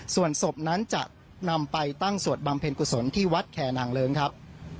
ส่วนศพนั้นจะนำไปตั้งสวดบำเพ็ญกุศลที่วัดแคนางเลิ้งครับ